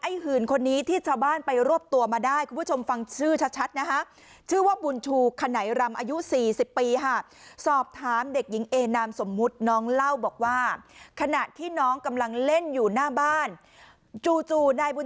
หื่นคนนี้ที่ชาวบ้านไปรวบตัวมาได้คุณผู้ชมฟังชื่อชัดนะคะชื่อว่าบุญชูขนัยรำอายุ๔๐ปีค่ะสอบถามเด็กหญิงเอนามสมมุติน้องเล่าบอกว่าขณะที่น้องกำลังเล่นอยู่หน้าบ้านจู่จู่นายบุญ